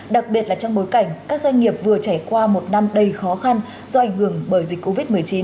đặc biệt là trong bối cảnh các doanh nghiệp vừa trải qua một năm đầy khó khăn do ảnh hưởng bởi dịch covid một mươi chín